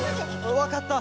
わかった。